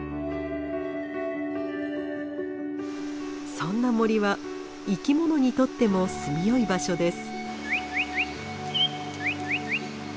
そんな森は生き物にとっても住みよい場所です。